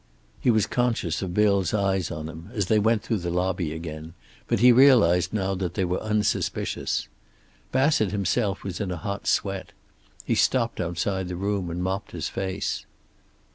He was conscious of Bill's eyes on him as they went through the lobby again, but he realized now that they were unsuspicious. Bassett himself was in a hot sweat. He stopped outside the room and mopped his face.